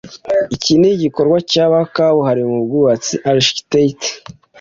Iki ni igikorwa cya ba kabuhariwe mu bwubatsi (architects)